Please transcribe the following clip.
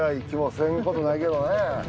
せんことないけどね。